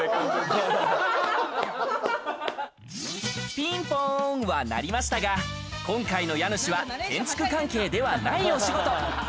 ピンポンはなりましたが、今回の家主は建築関係ではないお仕事。